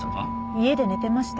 家で寝てました。